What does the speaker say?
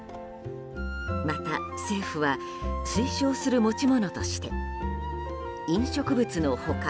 また政府は推奨する持ち物として飲食物の他